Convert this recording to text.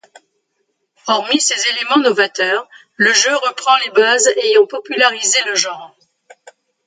Hormis ces éléments novateurs, le jeu reprend les bases ayant popularisé le genre.